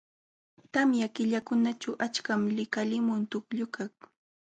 Tamya killakunaćhu achkam likalimun tukllukaq..